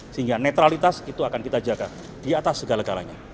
sehingga netralitas itu akan kita jaga di atas segala galanya